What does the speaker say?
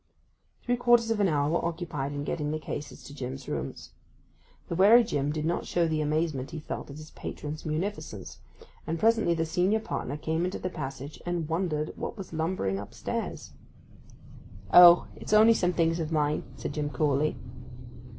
Three quarters of an hour were occupied in getting the cases to Jim's rooms. The wary Jim did not show the amazement he felt at his patron's munificence; and presently the senior partner came into the passage, and wondered what was lumbering upstairs. 'Oh—it's only some things of mine,' said Jim coolly.